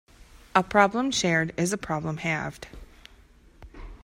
A problem shared is a problem halved.